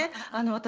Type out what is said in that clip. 私